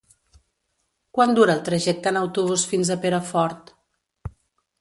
Quant dura el trajecte en autobús fins a Perafort?